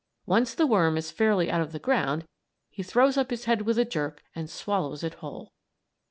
Once the worm is fairly out of the ground, he throws up his head with a jerk and swallows it whole.